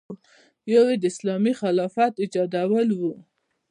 یو یې د اسلامي خلافت ایجادول و.